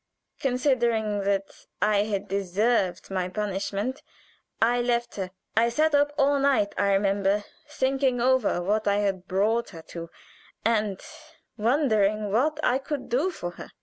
"Considering that I had deserved my punishment, I left her. I sat up all night, I remember, thinking over what I had brought her to, and wondering what I could do for her.